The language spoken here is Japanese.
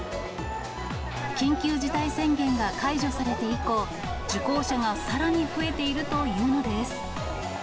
緊急事態宣言が解除されて以降、受講者がさらに増えているというのです。